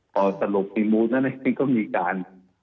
พอสลบทีมูลนั้นก็มีการ